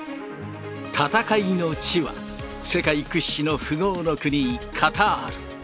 戦いの地は、世界屈指の富豪の国、カタール。